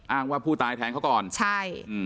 อ้างว่าผู้ตายแทงเขาก่อนใช่